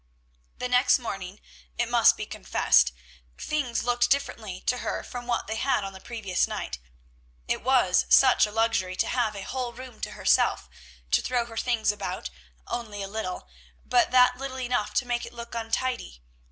The next morning, it must be confessed, things looked differently to her from what they had on the previous night. It was such a luxury to have a whole room to herself; to throw her things about "only a little," but that little enough to make it look untidy.